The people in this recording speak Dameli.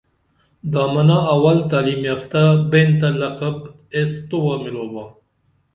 دامنہ اول تعلیم یافتہ بین تہ لقب ایس تووہ میلاوبا